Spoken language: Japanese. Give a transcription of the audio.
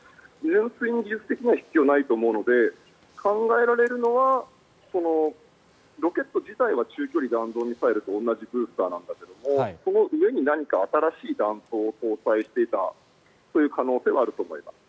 純粋に技術的には必要ないと思うので考えられるのは、ロケット自体は中距離弾道ミサイルと同じブースターなんだけどその上に新しい弾頭を搭載していたという可能性はあると思います。